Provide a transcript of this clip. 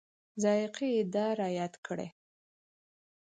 ذایقه یې دای رایاد کړي.